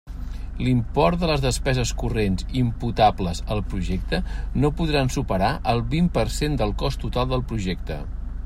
L'import de les despeses corrents imputables al projecte no podrà superar el vint per cent del cost total del projecte.